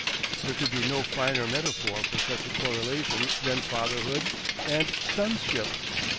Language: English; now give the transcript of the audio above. There could be no finer metaphor for such a correlation than Fatherhood and Sonship.